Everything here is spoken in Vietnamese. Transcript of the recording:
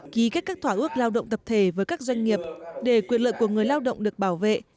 ký kết các thỏa ước lao động tập thể với các doanh nghiệp để quyền lợi của người lao động được bảo vệ